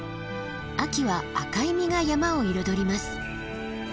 秋は赤い実が山を彩ります。